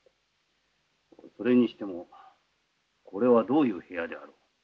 それにしてもこれはどういう部屋であろう。